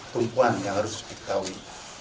kelipuan yang harus diketahui